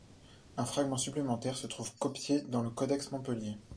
Un fragment supplémentaire se trouve copié dans le codex Montpellier.